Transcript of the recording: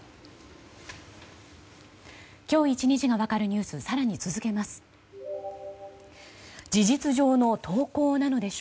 今日１日が分かるニュースを更に続けます。